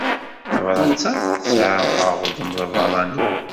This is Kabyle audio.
Tabṛat-a tesɛa aɣḍem d abeṛṛani.